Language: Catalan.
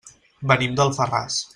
Venim d'Alfarràs.